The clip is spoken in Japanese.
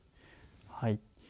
はい。